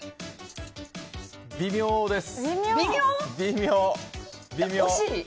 微妙です。